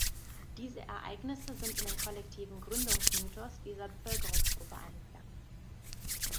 Diese Ereignisse sind in den kollektiven Gründungsmythos dieser Bevölkerungsgruppe eingegangen.